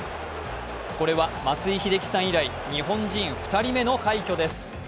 これは松井秀喜さん以来、日本人２人目の快挙です。